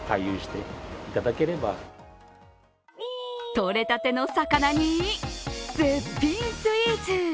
取れたての魚に、絶品スイーツ。